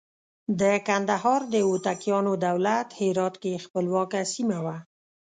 د کندهار د هوتکیانو دولت هرات کې خپلواکه سیمه وه.